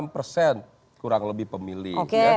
lima puluh enam persen kurang lebih pemilih